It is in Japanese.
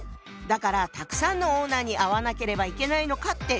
だからたくさんのオーナーに会わなければいけないのかって